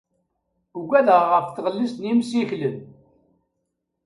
Uggadeɣ ɣef tɣellist n yimsiklen.